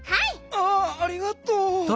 ああありがとう。